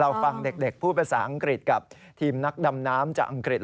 ฟังเด็กพูดภาษาอังกฤษกับทีมนักดำน้ำจากอังกฤษ